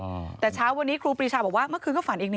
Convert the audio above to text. เมื่อเช้าวันนี้ครูปริชาบอกว่าเมื่อคืนก็ฝันเอง